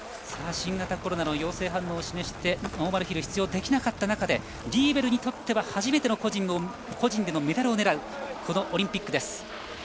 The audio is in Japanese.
新型コロナの陽性反応を示してノーマルヒルに出場できなかった中でリーベルにとっては初めての個人でのメダルを狙うこのオリンピックです。